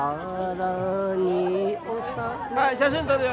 はい写真撮るよ。